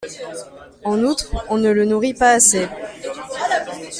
En outre, on ne le nourrit pas assez.